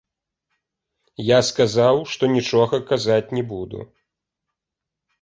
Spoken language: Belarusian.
Я сказаў, што нічога казаць не буду.